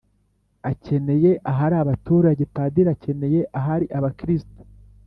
akeneye ahari abaturage, padiri akeneye ahari abakristu